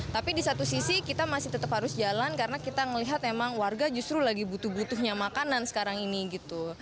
tapi di satu sisi kita masih tetap harus jalan karena kita melihat emang warga justru lagi butuh butuhnya makanan sekarang ini gitu